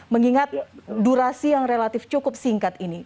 mengingat durasi yang relatif cukup singkat ini